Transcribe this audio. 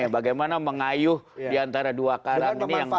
bagaimana mengayuh diantara dua karang ini yang